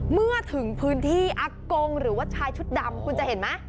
เมื่อถึงพื้นที่อากงหรือว่าชายชุดดำคุณจะเห็นไหม